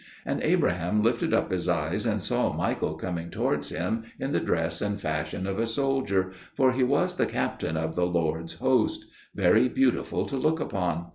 And Abraham lifted up his eyes and saw Michael coming towards him in the dress and fashion of a soldier for he was the captain of the Lord's host very beautiful to look upon.